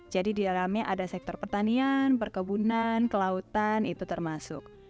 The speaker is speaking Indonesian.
jadi di dalamnya ada sektor pertanian perkebunan kelautan itu termasuk